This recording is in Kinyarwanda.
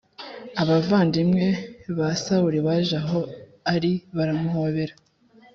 abavandimwe ba Sawuli baje aho ari baramuhobera